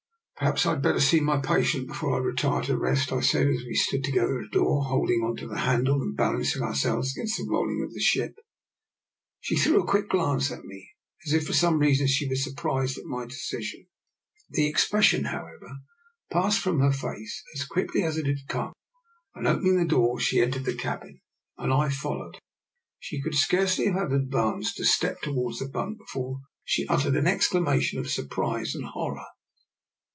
" Perhaps I had better see my patient be fore I retire to rest," I said as we stood to gether at the door, holding on to the hand rail and balancing ourselves against the roll ing of the ship. She threw a quick glance at me, as if for some reason she were surprised at my de cision; the expression, however, passed from her face as quickly as it had come, and open ing the door she entered the cabin, and I followed her. She could scarcely have ad 92 DR NIKOLA'S EXPERIMENT. vanced a step towards the bunk before she uttered an exclamation of surprise and hor ror.